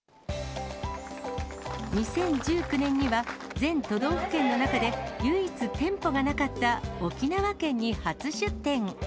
２０１９年には、全都道府県の中で唯一店舗がなかった沖縄県に初出店。